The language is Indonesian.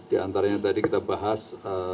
di antaranya tadi kita bahas